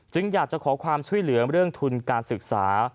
อยากจะขอความช่วยเหลือเรื่องทุนการศึกษา